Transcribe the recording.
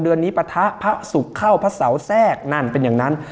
เดือนนี้ปะทะพระศุกร์เข้าพระเสาแทรกนั่นเป็นอย่างนั้น